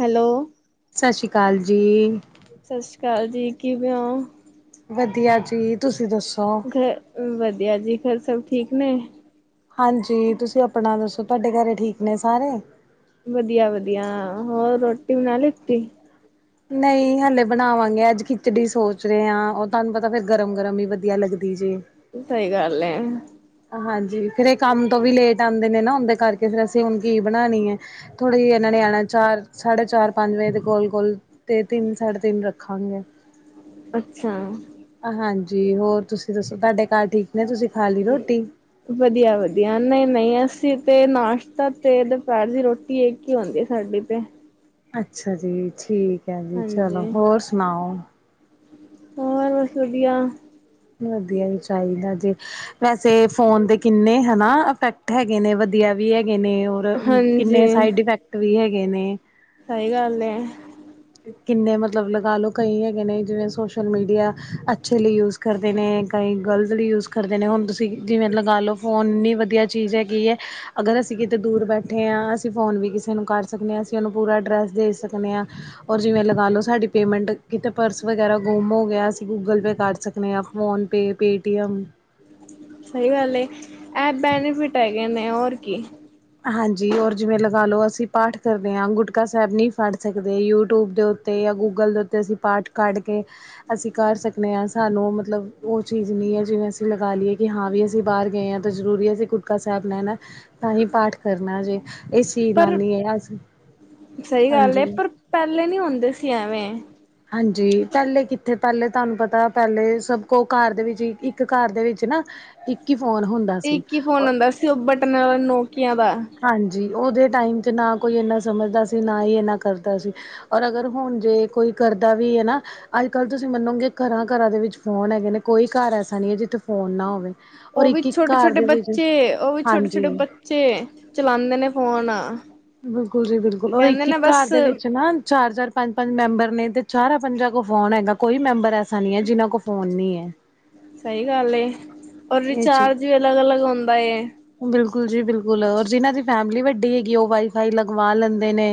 Hello ਸਤਿ ਸ਼੍ਰੀ ਅਕਾਲ ਜੀ। ਸਤਿ ਸ੍ਰੀ ਅਕਾਲ ਜੀ ਕਿਵੇਂ ਹੋ ਵਧੀਆ, ਜੀ ਤੁਸੀਂ ਦੱਸੋ। ਘਰ ਵਧੀਆ ਜੀ ਘਰ ਸਭ ਠੀਕ ਨੇ। ਹਾਂਜੀ, ਤੁਸੀਂ ਆਪਣਾ ਦੱਸੋ ਤੁਹਾਡੇ ਘਰੇ ਠੀਕ ਨੇ ਸਾਰੇ। ਵਧੀਆ -ਵਧੀਆ ਹੋਰ ਰੋਟੀ ਬਣਾ ਲਿਤੀ ਨਹੀਂ ਹਲੇ ਬਣਾਵਾਂਗੇ। ਅੱਜ ਖਿਚੜੀ ਸੋਚ ਰਹੇ ਹਾਂ। ਉਹ ਤੁਹਾਨੂੰ ਪਤਾ ਫੇਰ ਗਰਮ-ਗਰਮ ਹੀ ਵਧੀਆ ਲੱਗਦੀ ਜੇ। ਸਹੀ ਗੱਲ ਏ। ਹਾਂਜੀ, ਫੇਰ ਇਹ ਕੰਮ ਤੋਂ ਵੀ ਲੇਟ ਆਂਦੇ ਨੇ। ਉਹਦੇ ਕਰਕੇ ਫਿਰ ਅਸੀਂ ਹੁਣ ਕੀ ਬਣਾਨੀ ਏ। ਥੋੜੇ ਜਿਹੇ ਇਹਨਾਂ ਨਿਆਣਿਆਂ ਨੂੰ ਚਾਰ ਸਾਢੇ ਚਾਰ ਪੰਜ ਵਜੇ ਦੇ ਕੋਲ- ਕੋਲ। ਤੇ ਤਿੰਨ ਸਾਢੇ ਤਿੰਨ ਰੱਖਾਂਗੇ? ਅੱਛਾ। ਹਾਂਜੀ, ਹੋਰ ਤੁਸੀਂ ਦੱਸੋ। ਤੁਹਾਡੇ ਘਰ ਠੀਕ ਨੇ ਤੁਸੀਂ। ਖਾ ਲਈ ਹੂੰ ਰੋਟੀ? ਵਧੀਆ- ਵਧੀਆ ਨਹੀਂ- ਨਹੀਂ ਅਸੀਂ ਤੇ ਨਾਸ਼ਤਾ ਤੇ ਦੁਪਹਿਰ ਦੀ ਰੋਟੀ ਇੱਕ ਹੀ ਹੁੰਦੀ ਏ ਸਾਡੀੇ ਤੇ। ਅੱਛਾ ਜੀ, ਠੀਕ ਹੈ ਜੀ ਚਲੋ। ਹਾਂਜੀ ਹੋਰ ਸੁਣਾਓ? ਹੋਰ ਬਸ ਵਧੀਆ। ਵਧੀਆ ਹੀ ਚਾਹੀਦਾ ਜੇ- ਵੈਸੇ ਫੋਨ ਦੇ ਕਿੰਨੇ ਹਨਾ ਇਫੈਕਟ ਹੈਗੇ ਨੇ ਵਧੀਆ ਵੀ ਹੈਗੇ ਨੇ ਹਾਂਜੀ ਕਿੰਨੇ ਸਾਈਡ ਇਫੈਕਟ ਵੀ ਹੈਗੇ ਨੇ। ਸਹੀ ਗੱਲ ਏ। ਕਿੰਨੇ ਮਤਲਬ ਲਗਾ ਲਓ। ਕਈ ਹੈਗੇ ਨੇ ਜਿਵੇਂ ਸੋਸ਼ਲ ਮੀਡੀਆ ਅੱਛੇ ਲਈ ਯੂਜ ਕਰਦੇ ਨੇ ਕਈ ਗਲਤ ਲਈ ਯੂਜ਼ਡ ਕਰਦੇ ਨੇ। ਹੁਣ ਤੁਸੀਂ ਜਿਵੇਂ ਲਗਾ ਲਓ। ਫੋਨ ਨੀ ਵਧੀਆ ਚੀਜ਼ ਹੈਗੀ ਹੈ ਅਗਰ ਅਸੀਂ ਕਿਤੇ ਦੂਰ ਬੈਠੇ ਹਾਂ। ਅਸੀਂ ਫੋਨ ਵੀ ਕਿਸੇ ਨੂੰ ਕਰ ਸਕਦੇ ਹਾਂ। ਅਸੀਂ ਉਹਨੂੰ ਪੂਰਾ ਐਡਰੈੱਸ ਦੇ ਸਕਨੇ ਹਾਂ ਔਰ ਜਿਵੇਂ ਲਗਾ ਲਉ ਸਾਡੀ ਪੇਮੈਂਟ ਕਿਤੇ ਪਰਸ ਵਗੇਰਾਂ ਗੁੰਮ ਹੋ ਗਿਆ। ਅਸੀਂ ਗੂਗਲ ਪੇ ਕਰ ਸਕਨੇ ਹਾਂ। PhonePe P T M. ਸਹੀ ਗੱਲ ਏ ਇਹ ਬੈਨੀਫਿਟ ਹੈਗੇ ਨੇ ਹੋਰ ਕੀ। ਹਾਂਜੀ, ਔਰ ਜਿਵੇਂ ਲਗਾ ਲਓ। ਅਸੀਂ ਪਾਠ ਕਰਦੇ ਹਾਂ। ਗੁਟਕਾ ਸਾਹਿਬ ਨਹੀਂ ਫੜ ਸਕਦੇ। ਯੂਟਿਊਬ ਦੇ ਉੱ ਤੇ ਜਾਂ ਗੂਗਲ ਦੇ ਉੱਤੇ ਅਸੀਂ ਪਾਠ ਕੱਢ ਕੇ ਅਸੀਂ ਕਰ ਸਕਨੇ ਹਾਂ। ਸਾਨੂੰ ਮਤਲਬ ਉਹ ਚੀਜ਼ ਨਹੀਂ ਹੈ। ਜਿਵੇਂ ਅਸੀਂ ਲਗਾ ਲਈਏ। ਕਿ ਹਾਂ ਵੀ ਅਸੀਂ ਬਾਹਰ ਗਏ ਹਾਂ। ਜ਼ਰੂਰੀ ਹੈ। ਅਸੀਂ ਗੁਟਕਾ ਸਾਹਿਬ ਲੈਣਾ ਤਾਂ ਹੀ ਪਾਠ ਕਰਨਾ ਜੇ ਇਸ ਚੇਂਜ ਨਾਲ ਪਰ ਨੀ ਹੈ। ਸਹੀ ਗੱਲ ਏ ਹਾਂਜੀ ਪਰ ਪਹਿਲੇ ਨੀ ਹੁੰਦੇ ਸੀ। ਐਵੇਂ ਹਾਂਜੀ, ਪਹਿਲੇ ਕਿੱਥੇ ਪਹਿਲੇ ਤੁਹਾਨੂੰ ਪਤਾ ਪਹਿਲੇ ਸਭ ਕੁ ਕਾਰ ਦੇ ਵਿੱਚ ਇੱਕ ਕਾਰ ਦੇ ਵਿੱਚ ਨਾ ਇੱਕ ਹੀ ਫੋਨ ਹੁੰਦਾ। ਤੇ ਸੀ ਇੱਕ ਹੀ ਔਰ ਫੋਨ ਆਦਾ ਸੀ। ਉਹ ਬਟਨਾ ਵਾਲਾ ਨੋਕੀਆਂ ਦਾ। ਹਾਂਜੀ, ਉਹਦੇ ਟਾਈਮ ਤੇ ਨਾ ਕੋਈ ਇਨਾ ਸਮਝਦਾ ਸੀ। ਨਾ ਹੀ ਇਨਾ ਕਰਦਾ ਸੀ। ਔਰ ਅਗਰ ਹੁਣ ਜੇ ਕੋਈ ਕਰਦਾ ਵੀ ਹੈ ਨਾ ਅੱਜ- ਕੱਲ੍ਹ ਤੁਸੀਂ ਮੰਨੋਗੇ ਘਰਾਂ- ਘਰਾਂ ਦੇ ਵਿੱਚ ਫੋਨ ਹੈਗੇ ਨੇ। ਕੋਈ ਘਰ ਐਸਾ ਨਹੀਂ ਹੈ ਜਿੱਥੇ ਫ਼ੋਨ ਨਾ ਹੋਵੇ। ਔਰ ਉਹ ਵੀ ਇੱਕ ਇੱਕ ਛੋਟੇ ਘਰ ਛੋਟੇ ਦੇ ਵਿੱਚ ਬੱਚੇ, ਉਹ ਵੀ ਛੋਟੇ ਹਾਂਜੀ ਛੋਟੇ ਬੱਚੇ ਚਲਾਉਂਦੇ ਨੇ ਫੋਨ। ਬਿਲਕੁਲ ਜੀ ਬਿਲਕੁਲ ਉਹ ਇੱਕ- ਇੱਕ ਨੇ ਬਸ ਘਰ ਦੇ ਵਿੱਚ ਨਾ ਚਾਰ- ਚਾਰ ਪੰਜ- ਪੰਜ ਮੈਂਬਰ ਨੇ ਤੇ ਚਾਰਾਂ ਪੰਜਾਂ ਕੋਲ ਫ਼ੋਨ ਹੈਗਾ ਕੋਈ ਮੈਂਬਰ ਐਸਾ ਨਹੀਂ ਹੈ ਜਿਹਨਾਂ ਕੋਲ ਫੋਨ ਨਹੀਂ ਹੈ। ਸਹੀ ਗੱਲ ਏ ਔਰ ਇਹ ਚੀਜ਼ ਰਿਚਾਰਜ ਵੀ ਅਲੱਗ -ਅਲੱਗ ਹੁੰਦਾ ਏ। ਬਿਲਕੁਲ ਜੀ ਬਿਲਕੁਲ ਔਰ ਜਿਨਾਂ ਦੀ ਫੈਮਿਲੀ ਵੱਡੀ ਹੈਗੀ। ਉਹ ਵਾਈਫਾਈ ਲਗਵਾ ਲੈਂਦੇ ਨੇ।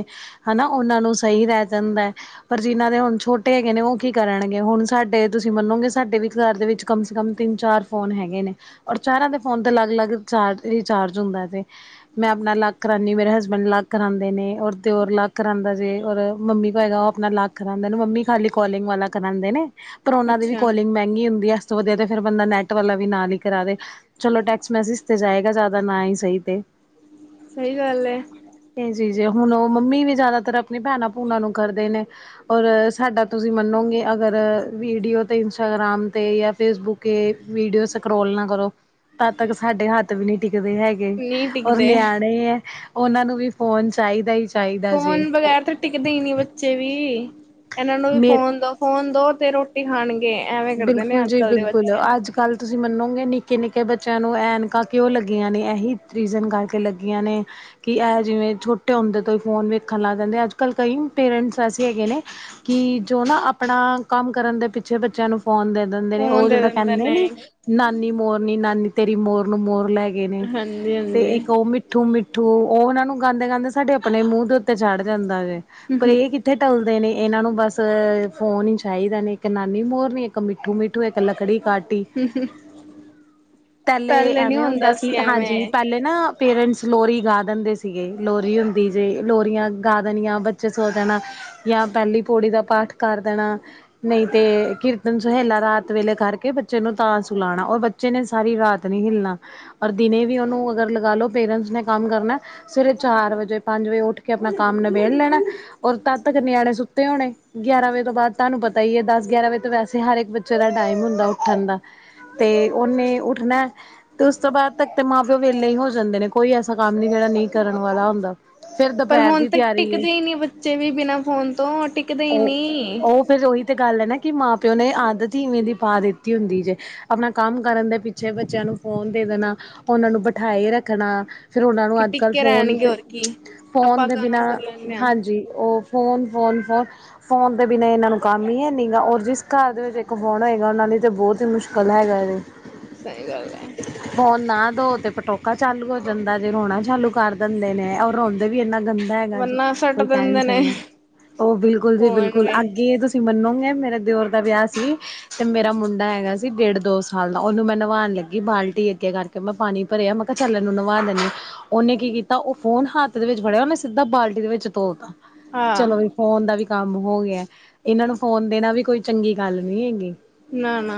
ਹਨਾ, ਉਹਨਾਂ ਨੂੰ ਸਹੀ ਰਹਿ ਜਾਂਦਾ। ਪਰ ਜਿਨਾਂ ਦੇ ਹੁਣ ਛੋਟੇ ਹੈਗੇ ਨੇ ਉਹ ਕੀ ਕਰਨਗੇ। ਹੁਣ ਸਾਡੇ, ਤੁਸੀਂ ਮੰਨੋਗੇ ਸਾਡੇ ਵੀ ਘਰ ਦੇ ਵਿੱਚ ਕਮ ਸੇ ਕਮ ਤਿੰਨ-ਚਾਰ ਫੋਨ ਹੈਗੇ ਨੇ। ਔਰ ਚਾਰਾਂ ਦੇ ਫੋਨ ਤੇ ਲੱਗ- ਲੱਗ ਚਾਰ ਰੀਚਾਰਜ ਹੁੰਦਾ ਵੇ। ਮੈਂ ਆਪਣਾ ਅਲਗ ਕਰਾਂਉਦੀ ਏ, ਮੇਰੇ ਹਸਬੈਂਡ ਅਲਗ ਕਰਾਉਂਦੇ ਨੇ, ਔਰ ਦਿਓਰ ਅਲਗ ਕਰਾਉਂਦਾ ਜੇ, ਔਰ ਮੰਮੀ ਭਾਈ ਦਾ ਆਪਣਾ ਲਗ ਕਰਾਂਦੇ, ਮੰਮੀ ਖਾਲੀ ਕੋਲਿੰਗ ਵਾਲਾ ਕਰਾਂਂਦੇ ਨੇ ਪਰ ਉਹਨਾਂ ਦੀ ਵੀ ਅੱਛਾ ਕੋਲਿੰਗ ਮਹਿੰਗੀ ਹੁੰਦੀ ਹੈ। ਇਸਤੋਂ ਵਧੀਆ ਤੇ ਫੇਰ ਬੰਦਾ ਨੈੱਟ ਵਾਲਾ ਵੀ ਨਾਲ ਹੀ ਕਰਾਵੇ ਚਲੋ, ਟੈਕਸਟ ਮੈਸੇਜ ਉੱਥੇ ਜਾਏਗਾ, ਜ਼ਾਦਾ ਨਾ ਈ ਸਹੀ ਤੇ। ਸਹੀ ਗੱਲ ਹੈ। ਏ ਚੀਜ਼ ਐ, ਹੁਣ ਉਹ ਮੰਮੀ ਵੀ ਜ਼ਿਆਦਾਤਰ ਆਪਣੀ ਭੈਣਾਂ-ਭੂਣਾ ਨੂੰ ਕਰਦੇ ਨੇ। ਔਰ, ਸਾਡਾ ਤੁਸੀਂ ਮੰਨੋਗੇ ਅਗਰ ਵੀਡੀਓ ਤੇ, ਇੰਸਟਾਗ੍ਰਾਮ ਤੇ ਜਾਂ ਫੇਸਬੁੱਕ ਕੇ ਵੀਡੀਓ ਸਕਰੋਲ ਨਾ ਕਰੋ, ਤਦ ਤੱਕ ਸਕ ਹਾਡੇ ਹੱਥ ਵੀ ਨੀ ਟਿਕਦੇ ਹੈਗੇ, ਨਹੀਂ ਔਰ ਟਿਕਦੇ ਨਿਆਣੇ ਐ, ਉਹਨਾਂ ਨੂੰ ਵੀ ਫੋਨ ਚਾਹੀਦਾ ਈ ਚਾਈ ਫੋਨ ਬਗ਼ੈਰ ਤਾਂ ਟਿਕਦੇ ਈ ਨੀ ਬੱਚੇ ਵੀ, ਇਹਨਾਂ ਨੂੰ ਵੀ ਮੇਰ ਫੋਨ ਦੋ। ਫੋਨ ਦੋ ਤੇ ਰੋਟੀ ਖਾਣਗੇ, ਐਵੇਂ ਕਰਦੇ ਨੇ ਅੱਜ- ਕੱਲ ਦੇ ਬੱਚੇ। ਗੱਲ ਤੁਸੀਂ ਮੰਨੋਗੇ, ਨਿੱਕੇ-ਨਿੱਕੇ ਬੱਚਿਆਂ ਨੂੰ ਐਨਕਾਂ ਕਿਉਂ ਲੱਗੀਆਂ ਨੇ, ਐਹੀ ਰੀਜ਼ਨ ਕਰਕੇ ਲੱਗੀਆਂ ਨੇ। ਕਿ ਐਹ ਜਿਵੇਂ ਛੋਟੇ ਹੁੰਦੇ ਤੋਂ ਹੀ ਫ਼ੋਨ ਵੇਖਣ ਲੱਗ ਜਾਂਦੇ, ਅੱਜ- ਕੱਲ ਕਈ ਪੇਰੈਂਟਸ ਐਸੇ ਹੈਗੇ ਨੇ ਕਿ ਜੋ ਨਾ ਆਪਣਾ ਕੰਮ ਕਰਨ ਦੇ ਪਿੱਛੇ ਬੱਚਿਆਂ ਨੂੰ ਫੋਨ ਦੇ ਦਿੰਦੇ ਨੇ ਫੋਨ ਉਹ ਦੇ ਜੇੜਾ ਦਿੰਦੇ ਕਹਿੰਦੇ ਨੇ ਨੀ, ਨਾਨੀ ਮੋਰਨੀ, ਨਾਨੀ ਤੇਰੀ ਮੋਰ ਨੂੰ ਮੋਰ ਲੈ ਗੇ ਨੇ, ਤੇ ਹਾਂਜੀ-ਹਾਂਜੀ ਇੱਕ ਉਹ ਮਿੱਠੂ- ਮਿੱਠੂ ਮਿੱਠੂ, ਉਹਨਾਂ ਨੂੰ ਗਾਂਦੇ ਗਾਉਂਦੇ ਸਾਡੇ ਆਪਣੇ ਮੂੰਹ ਦੇ ਉੱਤੇ ਚੜ੍ਹ ਜਾਂਦਾ ਵੈ, ਪਰ ਇਹ ਕਿ ਕਿੱਥੇ ਟਲਦੇ ਨੇ, ਇਹਨਾਂ ਨੂੰ ਬਸ ਫੋਨ ਹੀ ਚਾਈਦਾ ਨੇ, ਇੱਕ ਨਾਨੀ ਮੋਰ ਨੀ‌ ਮਿੱਠੂ -ਮਿੱਠੂ, ਇੱਕ ਲੱਕੜੀ ਕਾਠ। ਟੀ, ਪਹਿਲੇ ਐਵੇਂ ਹੁੰਦਾ ਸੀ, ਹਾਂਜੀ ਪਹਿਲੇ ਨਾ ਪੇਰੈਂਟਸ ਲੋਰੀ ਗਾ ਦਿੰਦੇ ਸੀਗੇ, ਲੋਰੀ ਹੁੰਦੀ ਜੇ, ਲੋਰੀਆਂ ਗਾ ਦੇਣੀਆਂ ਬੱਚੇ ਸੋ ਜਾਣ। ਯਾ ਪੈਲ਼ੀ ਪੌੜੀ ਦਾ ਪਾਠ ਕਰ ਦੇਣਾ, ਨਹੀਂ ਤੇ ਕਿਰਤ ਦਿਨ ਸੁਹੇਲਾ ਰਾਤ ਵੇਲੇ ਕਰਕੇ, ਬੱਚੇ ਨੂੰ ਤਾਂ ਸੁਲਾਉਣਾ, ਔਰ ਬੱਚੇ ਨੇ ਸਾਰੀ ਰਾਤ ਨੀ ਹਿੱਲਣਾ। ਔਰ, ਦਿਨੇ ਵੀ ਉਹਨੂੰ ਅਗਰ ਲਗਾ ਲਓ, ਪੇਰੈਂਟਸ ਨੇ ਕੰਮ ਕਰਨਾ। ਸਵੇਰੇ ਚਾਰ ਵਜੇ, ਪੰਜ ਵਜੇ ਉੱਠ ਕੇ ਆਪਣਾ ਕੰਮ ਨਿਬੇੜ ਲੈਨਾ। ਔਰ, ਤਦ ਤੱਕ ਨਿਆਣੇ ਸੁੱਤੇ ਹੋਣੇ, ਗਿਆਰਾਂ ਵਜੇ ਤੋਂ ਬਾਅਦ, ਤੁਹਾਨੂੰ ਪਤਾ ਈ ਐ ਦਸ, ਗਿਆਰਾਂ ਵਜੇ ਤਾਂ ਵੈਸੇ ਸੇ ਹਰ ਇੱਕ ਬੱਚੇ ਦਾ ਟਾਈਮ ਹੁੰਦਾ ਉੱਠਣ ਦਾ, ਤੇ ਉਹਨੇ ਉੱਠਣਾ ਤੇ ਉਸ ਤੋਂ ਬਾਅਦ ਤੱਕ ਤੇ ਮਾਂ ਪਿਓ ਵੇਲੇ ਹੀ ਹੋ ਜਾਂਦੇ ਨੇ, ਕੋਈ ਐਸਾ ਕੰਮ ਨੀ ਜੇੜਾ ਨਈ ਕਰਨ ਵਾਲਾ ਹੁੰਦਾ। ਫੇਰ ਪਰ ਦੁਪਹਿਰ ਹੁਣ ਦੀ ਤੇ ਤਿਆਰੀ ਏ ਟਿਕਦੇ ਹੀ ਨੀ, ਬੱਚੇ ਵੀ ਬਿਨਾਂ ਫੋਨ ਤੋਂ ਟਿਕਦੇ ਹੀ ਉਹ ਨੀ। ਉਹ ਫੇਰ ਉਹੀ ਤਾਂ ਗੱਲ ਐ ਨਾ, ਕਿ ਮਾਂ ਪਿਓ ਨੇ ਆਦਤ ਹੀ ਇਵੇਂ ਦੀ ਪਾ ਦਿੱਤੀ ਹੁੰਦੀ ਜੇ। ਆਪਣਾ ਕੰਮ ਕਰਨ ਦੇ ਪਿੱਛੇ ਬੱਚਿਆਂ ਨੂੰ ਫੋਨ ਦੇ ਦੇਣਾ, ਉਹਨਾਂ ਨੂੰ ਬਿਠਾਏ ਰੱਖਣਾ। ਫੇਰ ਉਹਨਾਂ ਨੂੰ ਕਿ ਅੱਜ- ਕਲ ਟਿੱਕੇ ਫੋਨ ਰਹਿਣਗੇ ਤੇ, ਹੋਰ ਕੀ ਫੋਨ ਆਪਾਂ ਦੇ ਕਾਮ ਬਿਨਾਂ ਕਰ ਲੈਂਦੇ ਹਾਂ। ਹਾਂਜੀ, ਉਹ ਫੋਨ-ਫੋਨ-ਫੋਨ, ਫੋਨ ਦੇ ਬਿਨਾਂ ਇਹਨਾਂ ਨੂੰ ਕੰਮ ਈ ਹੈਨੀ ਗਾ ਔਰ ਜਿਸ ਘਰ ਦੇ ਵਿੱਚ ਇੱਕ ਫੋਨ ਹੋਏਗਾ, ਉਹਨਾਂ ਲਈ ਤਾਂ ਬਹੁਤ ਹੀ ਮੁਸ਼ਕਿਲ ਹੈਗਾ ਇਹ। ਸਹੀ ਗੱਲ ਐ ਫੋਨ ਨਾ ਦੋ ਤੇ ਪਟੋਕਾ ਚਾਲੂ ਹੋ ਜਾਂਦਾ ਜੇ, ਰੋਣਾ ਚਾਲੂ ਕਰ ਦਿੰਦੇ ਨੇ ਔਰ ਰੋਂਦੇ ਵੀ ਇੰਨਾ ਗੰ ਹੈਗਾ ਜੀ, ਵਰਨਾ ਸੱਟ ਕੋਈ ਕਹਿ ਨੀ ਦਿੰਦੇ ਨੇ ਸਕਦਾ, ਉਹ ਬਿਲਕੁਲ ਜੀ ਫੋਨ ਬਿਲਕੁਲ ਵੇ ਅੱਗੇ ਤੁਸ ਤੁਸੀਂ ਮੰਨੋਗੇ, ਮੇਰੇ ਦਿਓਰ ਦਾ ਵਿਆਹ ਸੀ, ਤੇ ਮੇਰਾ ਮੁੰਡਾ ਹੈਗਾ ਸੀ। ਸੀ ਡੇਢ ਦੋ ਸਾਲ ਦਾ, ਉਹਨੂੰ ਮੈਂ ਨਵਾਉਣ ਲੱਗੀ ਬਾਲਟੀ ਅੱਗੇ ਕਰਕੇ ਮੈਂ ਪਾਣੀ ਭਰਿਆ ਮੈਂ ਕਿਹਾ ਚੱਲਣ ਇਹਨੂੰ ਨਵਾ ਦਿੰਦੀ। ਉਹਨੇ ਕੀ ਕੀਤਾ, ਉਹ ਫੋਨ ਹੱਥ ਦੇ ਵਿੱਚ ਫੜਿਆ ਉਹਨੇ ਸਿੱਧਾ ਬਾਲਟੀ ਦੇ ਵਿੱਚ ਧੋਤਾ। ਹਾਂ ਚਲੋ ਫੋਨ ਦਾ ਵੀ ਕੰਮ ਹੋ ਗਿਆ, ਇਹਨਾਂ ਨੂੰ ਫੋਨ ਦੇਣਾ ਵੀ ਕੋਈ। ਚੰਗੀ ਗੱਲ ਨੀ ਹੈਗੀ। ਨਾ-ਨਾ।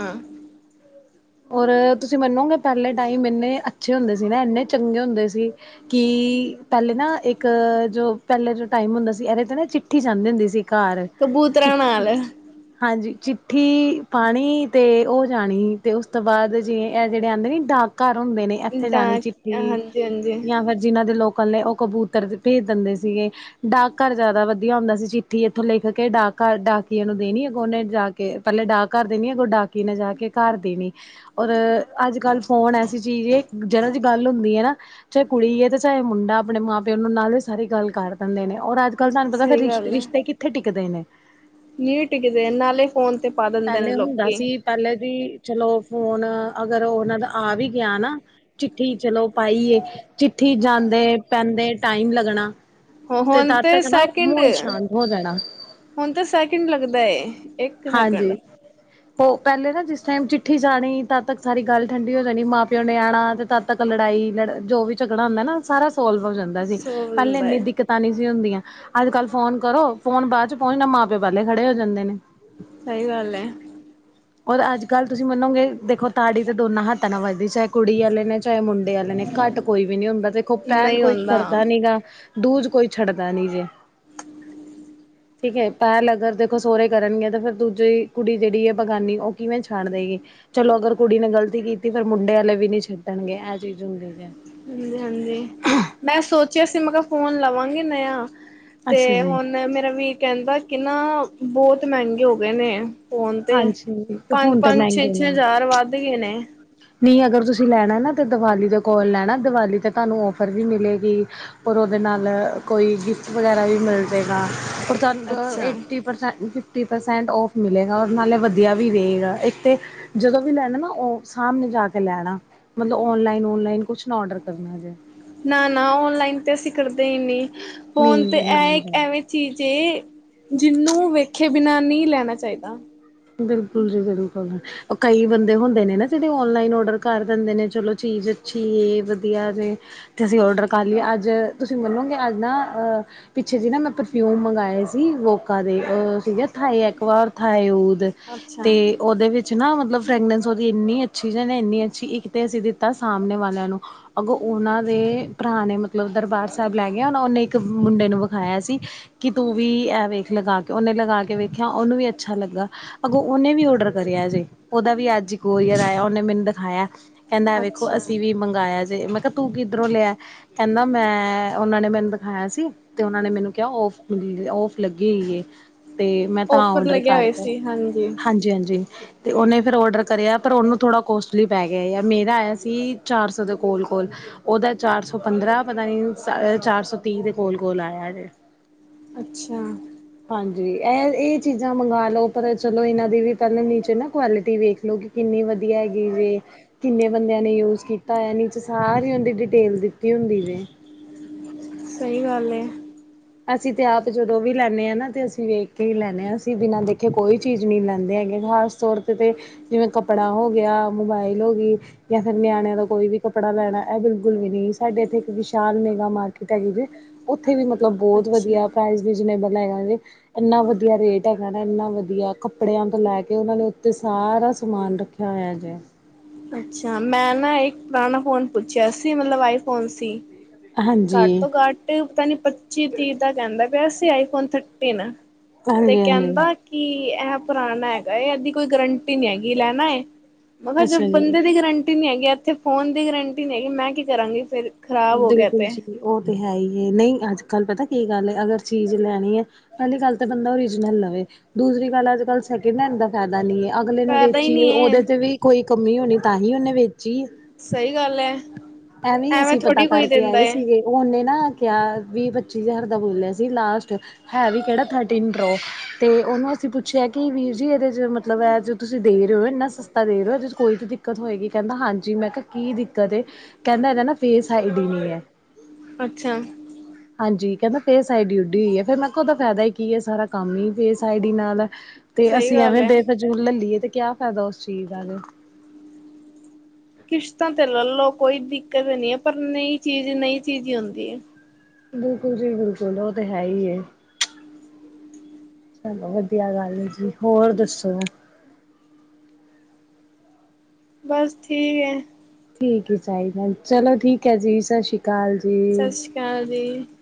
ਔਰ ਤੁਸੀਂ ਮੰਨੋਗੇ ਪੈਲੇ ਟਾਈਮ ਇੰਨੇ ਅੱਛੇ ਹੁੰਦੇ ਸੀ ਨਾ ਇੰਨੇ ਚੰਗੇ ਹੁੰਦੇ ਸੀ। ਕੀ ਪੈਲੇ ਨਾ ਇੱਕ ਜੋ ਪੈਲੇ ਜੋ ਟਾਈਮ ਹੁੰਦਾ ਸੀ, ਐਦੇ ਤੇ ਨਾ ਚਿੱਠੀ ਜਾਂਦੀ ਹੁੰਦੀ ਸੀ। ਕਾਰ ਕਬੂਤਰਾਂ ਚਿੱਠੀ ਨਾਲ ਹਾਂਜੀ, ਚਿੱਠੀ ਪਾਣੀ ਤੇ ਔ ਜਾਣੀ। ਤੇ ਉਸ ਤੋਂ ਬਾਦ ਜਿਵੇ ਐ ਜੇੜੇ ਆਂਦੇ ਨੀ ਡਾਕ ਘਰ ਹੁੰਦੇ ਨੇ, ਐਥੇ ਜਾਣੀ ਡਾਕ ਚਿੱਠੀ ਹਾਂਜੀ ਹਾਂਜੀ ਯਾ ਫਿਰ ਜਿਨ੍ਹਾਂ ਦੇ ਲੋਕਲ ਨੇ ਓ ਕਬੂਤਰ ਭੇਜ ਦਿੰਦੇ ਸੀਗੇ। ਡਾਕ ਘਰ ਜਾਦਾ ਵਧੀਆ ਹੁੰਦਾ ਸੀ ਚਿੱਠੀ ਇੱਥੋਂ ਲਿਖ ਕੇ ਡਾਕ ਘਰ ਡਾਕੀਏ ਨੂੰ ਦੇਣੀ ਅੱਗੋਂ ਉਨੇ ਜਾ ਕੇ ਪੈਲੇ ਡਾਕ ਘਰ ਦੇਨੀ ਅਗੋ ਡਾਕੀਏ ਨੇ ਜਾ ਕੇ ਕਾਰ ਦੇਨੀ ਔਰ ਅੱਜ ਕੱਲ ਫੋਨ ਐਸੀ ਚੀਜ਼ ਏ ਜਰਾ ਜੀ ਗੱਲ ਹੁੰਦੀ ਏ ਨਾ ਚਾਏ ਕੁੜੀ ਐ ਤੇ ਚਾਏ ਮੁੰਡਾ ਅਪਣੇ ਮਾਂ ਪਿਓ ਨੂੰ ਨਾਲੇ ਸਾਰੀ ਗੱਲ ਕਰ ਦਿੰਦੇ ਨੇ ਔਰ ਅੱਜ ਕੱਲ ਤਾਨੂੰ ਪਤਾ ਫਿਰ ਸਹੀ ਰਿਸ਼ ਰਿਸ਼ਤੇ ਕਿੱਥੇ ਟਿਕਦੇ ਨੇ। ਨੀ ਟਿਕਦੇ ਨਾਲੇ ਫੋਨ ਤੇ ਪਾ ਦਿੰਦੇ ਨੇ ਲੋਕੀ। ਪੈਲੇ ਵੀ ਚਲੋ ਫੋਨ ਅਗਰ ਉਨਾਂ ਦਾ ਆ ਵੀ ਗਿਆ ਨਾ ਚਿੱਠੀ ਚਲੋ ਪਾਈ ਏ ਚਿੱਠੀ ਜਾਂਦੇ ਪੈਂਦੇ ਟਾਈਮ ਲੱਗਣਾ। ਤੇ ਹੁਣ ਤਦ ਤੱਕ ਨਾ ਸੈਕਿੰਡ ਮਹੋਲ ਸ਼ਾਂਤ ਹੋ ਜਾਣਾ। ਹੁਣ ਤੇ ਸੈਕਿੰਡ ਲੱਗਦਾ ਏ ਇੱਕ ਸੈਕਿੰਡ। ਹੋ ਪੈਲੇ ਨਾ ਜਿਸ ਟਾਈਮ ਚਿੱਠੀ ਜਾਣੀ ਤਦ ਤੱਕ ਸਾਰੀ ਠੰਡੀ ਹੋ ਜਾਣੀ ਮਾਂ ਪਿਓ ਨੇ ਆਣਾ ਤਦ ਤੱਕ ਲੜਾਈ ਲੜ ਜੋ ਵੀ ਝਗੜਾ ਹੁੰਦਾ ਨਾ ਸਾਰਾ ਸੋਲਵ ਹੋ ਜਾਂਦਾ ਸੀ ਸੋ ਪੈਲੇ ਜਾਂਦਾ ਐਨੀ ਏ ਦਿੱਕਤ ਪਤਾ ਨੀ ਸੀ ਹੁੰਦੀਆਂ, ਅੱਜ ਕੱਲ ਫੋਨ ਕਰੋ ਫੋਨ ਬਾਦ ਚ ਪਹੁੰਚਣਾ ਮਾਂ ਪਿਓ ਪੈਲੇ ਖੜੇ ਹੋ ਜਾਂਦੇ ਨੇ। ਸਈ ਗੱਲ ਐ। ਔਰ ਅੱਜ ਗੱਲ ਤੁਸੀਂ ਮੰਨੋਗੇ ਦੇਖੋ ਤਾੜੀ ਤੇ ਦੋਨਾਂ ਹੱਥਾਂ ਨਾਲ ਵੱਜਦੀ ਚਾਹੇ ਕੁੜੀ ਵਾਲੇ ਨੇ ਚਾਹੇ ਮੁੰਡੇ ਵਾਲੇ ਨੇ ਘੱਟ ਕੋਈ ਵੀ ਨੀ ਹੁੰਦਾ, ਦੇਖੋ ਪੈਲ ਨਹੀਂ ਕੋਈ ਹੁੰਦਾ ਕਰਦਾ ਨੀ ਗਾ ਦੂਜ ਕੋਈ ਛੱਡਦਾ ਨੀ ਜੇ। [inaudible] ਠੀਕ ਐ ਪੈਲ ਅਗਰ ਦੇਖੋ, ਸੋਰੇ ਕਰਨਗੇ ਤੇ ਫਿਰ ਦੂਜੇ ਕੁੜੀ ਜੇੜੀ ਐ ਬਗਾਨੀ ਉਹ ਕਿਵੇਂ ਛ ਛੱਡ ਦੇਗੀ ਚਲੋ ਅਗਰ ਕੁੜੀ ਨੇ ਗ਼ਲਤੀ ਕੀਤੀ ਫੇਰ ਮੁੰਡੇ ਆਲੇ ਵੀ ਨੀ ਛੱਡਣਗੇ, ਐ ਚੀਜ਼ ਹੁੰਦੀ ਜੇ। ਸੀ ਗਾਲ ਏ, ਮੈਂ ਸੋਚਿਆ ਸੀ ਮੈਂ ਕਆ ਫੋਨ ਲਵਾਂਗੀ ਨਿਆ ਅੱਛਾ ਤੇ ਜੀ ਹੁਣ ਮੇਰਾ ਵੀਰ ਕੇਂਦਾ ਕਿ ਨਾ ਬੋਤ ਮਹੰਗੇ ਹੋ ਗੇ ਨੇ। ਫੋਨ ਤੇ ਹਾਂਜੀ ਹੁਣ ਤੇ ਪੰਜ-ਪੰਜ, ਮਹਿੰਗੇ ਛੇ-ਛੇ ਹਜ਼ਾਰ ਵੱਧ ਗਏ ਨੇ। ਨੀ ਅਗਰ ਤੁਸੀਂ ਲੈਣਾ ਨਾ ਤਾਂ ਦੀਵਾਲੀ ਦੇ ਕੋਲ ਲੈਣਾ ਦੀਵਾਲੀ ਤੁਹਾਨੂੰ ਔਫਰ ਵੀ ਮਿਲੇਗੀ। ਔਰ ਔਦੇ ਨਾਲ ਕੋਈ ਗਿਫਟ ਵਗੈਰਾ ਵੀ ਮਿਲ ਜੇਗਾ। ਚੰਦ ਅੱਛਾ ਏਟੀ ਪਰਸੈ ਟੀ ਪਰਸੈਂਟ ਔਫ ਮਿਲੇਗਾ ਔਰ ਨਾਲੇ ਵਧੀਆ ਵੀ ਰਏਗਾ ਇੱਕ ਤੇ ਜਦੋਂ ਵੀ ਲੈਣਾ ਨਾ ਓ ਸਾਮਣੇ ਜਾ ਕੇ ਲੈਣਾ ਮਤਲਬ ਔਨਲਾਈਨ-ਔਨਲਾਈਨ ਕੁਛ ਨਾ ਔਡਰ ਕਰਨਾ ਜੇ। ਨਾ-ਨਾ ਔਨਲਾਈਨ ਤੇ ਅਸੀਂ ਕਰਦੇ ਈ ਨੀ ਫੋਨ ਨਹੀਂ ਤੇ ਐ ਕ ਕਰਨਾ ਐਵੇਂ ਚੀਜ਼ ਏ ਜਿਨੂੰ ਵੇਖੇ ਬਿਨਾਂ ਨੀ ਲੈਣਾ ਚਾਈਦਾ। ਬਿਲਕੁਲ ਜੀ ਬਿਲਕੁਲ। ਕਈ ਬੰਦੇ ਹੁੰਦੇ ਨੇ ਨਾ ਜੇੜੇ ਔਨਲਾਈਨ ਓਡਰ ਕਰ ਦਿੰਦੇ ਨੇ ਚਲੋ ਚੀਜ਼ ਅੱਛੀ ਏ ਵਧੀਆ ਜੇ ਤੇ ਅਸੀਂ ਔਡਰ ਕਰ ਲਿਆ ਅੱਜ ਤੁਸੀਂ ਮੰਨੋਗੇ ਅੱਜ ਨਾ ਅਹ ਪਿੱਛੇ ਸੀ ਨਾ ਮੈਂ ਪਰਫਿਊਮ ਮੰਗਵਾਏ ਸੀ ਵੋਕਾ ਦੇ ਅ ਸੀਗੇ ਥਾਏ ਐਕਵਾਰ, ਥਾਏਓਰ ਤੇ ਉਦੇ ਵਿੱਚ ਨਾ ਮਤਲਬ ਫਰੈਗਰੈਂਸ ਔਦੀ ਇੰਨੀ ਅੱਛੀ, ਇੰਨੀ ਅੱਛੀ ਇੱਕ ਤੇ ਅਸੀਂ ਦਿ ਤਾ ਸਾਮਣੇ ਵਾਲਿਆਂ ਨੂੰ। ਅਗੋਂ ਉਹਨਾਂ ਦੇ ਭਰਾ ਨੇ ਮਤਲਬ ਦਰਬਾਰ ਸਾਹਿਬ ਲੈ ਗਿਆ ਉਹ ਉਹਨੇ ਇੱਕ ਮੁੰਡੇ ਨੂੰ ਵਿਖਾਇਆ ਸੀ ਕਿ ਤੂੰ ਵੀ ਐ ਵੇਖ ਲਗਾ ਉਹਨੇ ਲਗਾ ਕੇ ਵੇਖਿਆ ਉਹਨੂੰ ਵੀ ਅੱਛਾ ਲੱਗਾ ਅਗੋਂ ਨੇ ਵੀ ਓਡਰ ਕਰਿਆ ਜੇ ਓਹਦਾ ਵੀ ਅੱਜ ਕੋਰੀਅਰ ਆਇਆ ਓਨੇ ਮੈਨੂੰ ਦਖਾਇਆ ਕਹਿੰਦਾ ਐ ਵੇਖੋ ਅੱਛਾ-ਅੱਛਾ ਅਸੀਂ ਵੀ ਮੰਗਾਇਆ ਜੇ ਮੈਂ ਕਿਹਾ ਤੂੰ ਕਿੱਧਰੋਂ ਲਿਆ ਕਹਿੰਦਾ ਮੈਂ ਉਹਨਾਂ ਨੇ ਮੈਨੂੰ ਦਖਾਇਆ ਸੀ ਤੇ ਉਹਨਾਂ ਨੇ ਮੈਨੂੰ ਕਿਹਾ ਔਫ ਗ [unintelligible] ਔਫ ਲੱਗੀ ਹੋਈ ਜੇ ਤੇ ਮੈਂ ਤਾਂ ਔਫਰ ਓਡਰ ਲੱਗਿਆ ਹੋਇਆ ਕਰਤਾ ਸੀ ਹਾਂਜੀ ਹਾਂਜੀ ਹਾਂਜੀ ਤੇ ਉਹਨੇ ਫਿਰ ਓਡਰ ਕਰਿਆ ਪਰ ਉਹਨੂੰ ਥੋੜ੍ਹਾ ਕੋਸਟਲੀ ਪੈ ਗਿਆ ਆ ਮੇਰਾ ਆਇਆ ਸੀ ਚਾਰ ਸੌ ਦੇ ਕੋਲ ਕੋਲ ਉਹਦਾ ਚਾਰ ਸੌ ਪੰਦਰਾਂ ਪਤਾ ਨੀ ਸ ਚਾਰ ਸੌ ਤੀਨ ਦੇ ਕੋਲ ਕੋਲ ਆਇਆ ਐ ਅੱਛਾ ਹਾਂਜੀ ਐ ਇਹ ਚੀਜ਼ਾਂ ਮੰਗਵਾ ਲੋ ਪਰ ਚਲੋ ਇਹਨਾਂ ਦੀ ਵੀ ਪਹਿਲਾਂ ਨੀਚੇ ਨਾ ਕੁਆਲਿਟੀ ਵੇਖ ਲਈ ਕਿੰਨੀ ਵਧੀਆ ਹੈਗੀ ਜੇ ਕਿੰਨੇ ਬੰਦਿਆਂ ਨੇ ਯੂਜ਼ ਕੀਤਾ ਐ ਨੀਚੇ ਸਾਰਿਆ ਦੀ ਡਿਟੇਲ ਦਿੱਤੀ ਹੁੰਦੀ ਜੇ ਸਹੀ ਗੱਲ ਏ ਅਸੀਂ ਤੇ ਆਪ ਜਦੋਂ ਵੀ ਲੈਂਨੇ ਆਂ ਨਾ ਤੇ ਅਸੀਂ ਵੇਖ ਕੇ ਹੀ ਲੈਂਨੇ ਆਂ ਅਸੀਂ ਬਿਨਾਂ ਦੇਖੇ ਕੋਈ ਚੀਜ਼ ਨੀ ਲੈਂਦੇ ਹੈਗੇ [unintelligible] ਤੋਰਤ ਤੇ [unintelligible] ਜਿਵੇਂ ਕੱਪੜਾ ਹੋ ਗਿਆ ਮੋਬਾਇਲ ਹੋ ਗੀ ਯਾ ਫਿਰ ਨਿਆਣਿਆਂ ਦਾ ਕੋਈ ਵੀ ਕੱਪੜਾ ਲੈਣਾ ਐ ਬਿਲਕੁਲ ਵੀ ਨੀ ਸਾਡੇ ਇੱਥੇ ਇੱਕ ਵਿਸ਼ਾਲ ਮੇਗਾ ਮਾਰਕੀਟ ਹੈਗੀ ਜੇ ਉੱਥੇ ਵੀ ਮਤਲਬ ਬਹੁਤ ਅੱਛਾ ਵਧੀਆ ਪ੍ਰਾਈਜ਼ ਵੀ ਜਿੰਨੇ ਬਨਾਇਆ ਵੇ ਐਨਾ ਵਧੀਆ ਰੇਟ ਹੈਗਾ ਨਾ ਐਨਾ ਵਧੀਆ ਕੱਪੜਿਆਂ ਤੋਂ ਲੈ ਕੇ ਉਹਨਾਂ ਨੇ ਉੱਤੇ ਸਾਰਾ ਸਮਾਨ ਰੱ ਹੋਇਆ ਜੇ ਅੱਛਾ ਮੈਂ ਨਾ ਇੱਕ ਪਰਾਣਾ ਫੋਨ ਪੁੱਛਿਆ ਸੀ ਮਲਬ ਆਈਫੋਨ ਸੀ ਘੱਟ ਹਾਂਜੀ ਤੋਂ ਘੱਟ ਪਤਾ ਨੀ ਪੱਚੀ ਤੀਹ ਦਾ ਕਹਿੰਦਾ ਪਿਆ ਸੀ ਆਈਫੋਨ ਥਟੀਨ ਤੇ ਹਾਂਜੀ ਹਾਂਜੀ ਕਹਿੰਦਾ ਕਿ ਇਹ ਪੁਰਾਣਾ ਹੈਗਾ ਏ ਐਦੀ ਕੋਈ ਗਰੰ ਟੀ ਨੀ ਹੈਗੀ ਲੈਣਾ ਐ ਓ ਨਾ ਅੱਛਾ ਜਬ ਜੀ [unintelligible] ਐਥੇ ਫੋਨ ਦੀ ਗਰੰਟੀ ਨੀ ਹੈਗੀ ਮੈਂ ਕੀ ਕਰਾਂਗੀ ਫੇਰ ਬਿਲਕੁਲ ਜੀ ਉਹ ਤੇ ਹੈ ਈ ਏ ਨਹੀਂ ਅੱਜ ਕੱਲ੍ਹ ਪਤਾ ਕੀ ਗੱਲ ਏ ਅਗਰ ਚੀਜ਼ ਲੈਣੀ ਐ ਪਹਿਲੀ ਗੱਲ ਤਾਂ ਬੰਦਾ ਓਰੀਜਨਲ ਲਵੇ ਦੂਸਰੀ ਗੱਲ ਅੱਜ-ਕੱਲ੍ਹ ਸੈਕਿੰਡ ਹੈਂਡ ਦਾ ਫੈਦਾ ਨੀ ਅਗਲੇ ਨੇ ਫਾਇਦਾ ਹੀ ਵੇਚੀ ਨਹੀਂ ਏ ਉਹਤੇ ਵੀ ਕੋਈ ਕਮੀ ਹੋਣੀ ਤਾਂ ਹੀ ਉਨੇ ਵੇਚੀ ਏ ਸਹੀ ਗੱਲ ਐ ਐਵੇਂ ਈ ਅਸੀਂ ਪਤਾ ਕਰਕੇ ਆਏ ਸੀਗੇ ਉਨੇ ਨਾ ਕਿਹਾ ਵੀਹ ਪੱਚੀ ਹਜ਼ਾਰ ਦਾ ਬੋਲਿਆ ਸੀ ਲਾਸਟ ਹੈ ਵੀ ਕੇੜਾ ਥਰਟੀਨ ਪ੍ਰੋ ਤੇ ਉਨੂੰ ਅਸੀਂ ਪੁੱਛਿਆ ਕਿ ਵੀਰ ਜੀ ਇਹਦੇ ਚ ਮਤਲਬ ਐ ਜ ਤੁਸੀਂ ਦੇ ਰੇ ਓ ਇੰਨਾ ਸਸਤਾ ਦੇ ਰੇ ਓ ਇਦੇ ਚ ਕੋਈ ਤਾਂ ਦਿੱਕਤ ਹੋਏਗੀ ਕਹਿੰਦਾ ਹਾਂਜੀ ਮੈਂ ਕਿਹਾ ਕੀ ਦਿੱਕਤ ਏ ਕਹਿੰਦਾ ਏਦਾ ਨਾ ਫੇਸ ਆਈਡੀ ਨੀ ਐ ਅੱਛਾ [inaudible] ਹਾਂਜੀ ਕਹਿੰਦਾ ਫੇਸ ਆਈ ਡੀ ਉੱਡੀ ਹੋਈ ਏ ਫੇਰ ਮੈਂ ਕਿਹਾ ਉਦਾ ਫਾਇਦਾ ਈ ਕੀ ਏ ਸਾਰਾ ਕੰਮ ਈ ਫੇਸ ਆਈ ਡੀ ਨਾਲ ਐ ਤੇ ਸਹੀ ਅਸੀਂ ਗੱਲ ਐਵੇਂ ਹੈ। ਬੇਫਜੂਲ ਲੈੱਲੀਏ ਤੇ ਕਿਆ ਫਾਇਦਾ ਉਸ ਚੀਜ਼ ਦਾ ਕਿਸ਼ਤਾ ਤੇ ਲਲੋ ਕੋਈ ਦਿੱਕਤ ਨੀ ਏ ਪਰ ਨਈ ਚੀਜ਼ ਨਈ ਚੀਜ਼ ਈ ਹੁੰਦੀ ਏ ਬਿਲਕੁਲ ਜੀ ਬਿਲਕੁਲ ਉਹ ਤੇ ਹੈ ਈ ਏ ਚਲੋ [unintelligible] ਵਧੀਆ ਗੱਲ ਏ ਜੀ ਹੋਰ ਦੱਸੋ ਬਸ ਠੀ ਏ ਠੀਕ ਈ ਚਾਇਦਾ ਚਲੋ ਠੀਕ ਐ ਜੀ ਸਸ਼ਰੀਕਾਲ ਜੀ [unintelligible]